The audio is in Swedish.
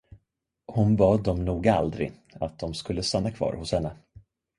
Hon bad dem nog aldrig, att de skulle stanna kvar hos henne.